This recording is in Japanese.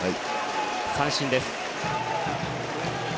三振です。